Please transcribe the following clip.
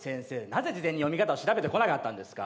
なぜ事前に読み方を調べてこなかったんですか？